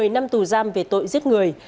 một mươi năm tù giam về tội giết người